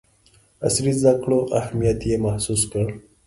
عصري زدکړو اهمیت یې محسوس کړ.